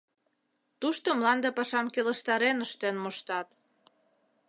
Тушто мланде пашам келыштарен ыштен моштат.